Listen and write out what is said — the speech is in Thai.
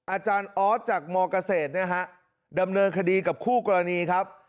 อาจารย์ออสจากมเกษตรนะฮะดำเนินคดีกับคู่กรณีครับ